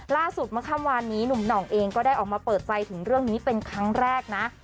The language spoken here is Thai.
ล่าสุดเมื่อค่ำวานนี้หนุ่มหน่องเองก็ได้ออกมาเปิดใจถึงเรื่องนี้เป็นครั้งแรกนะ